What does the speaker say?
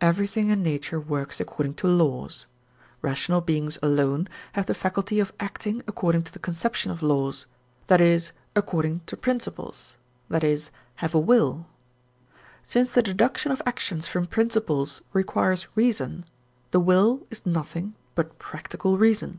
Everything in nature works according to laws. Rational beings alone have the faculty of acting according to the conception of laws, that is according to principles, i.e., have a will. Since the deduction of actions from principles requires reason, the will is nothing but practical reason.